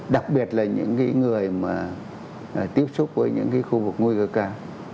đặc biệt là những cái người mà tiếp xúc với những cái khu vực nguy cơ cao